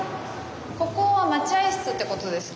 ここは待合室ってことですか？